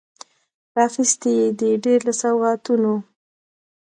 راخیستي یې دي، ډیر له سوغاتونو